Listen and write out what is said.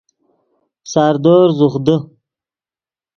ساردور زوخ دے